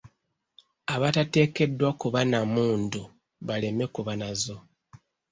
Abatateekeddwa kuba na mmundu baleme kuba nazo.